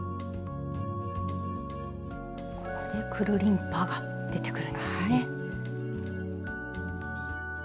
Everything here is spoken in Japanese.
ここでくるりんぱが出てくるんですね。